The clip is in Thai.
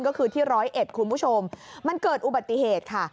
ก็คือที่๑๐๑คุณผู้ชมมันเกิดอุบัติเหตุค่ะ